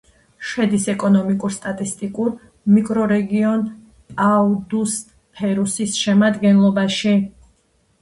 შედის ეკონომიკურ-სტატისტიკურ მიკრორეგიონ პაუ-დუს-ფერუსის შემადგენლობაში.